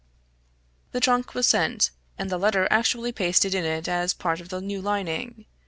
The trunk was sent, and the letter actually pasted in it as part of the new lining.